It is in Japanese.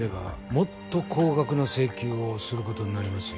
もっと高額な請求をすることになりますよ